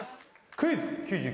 クイズ。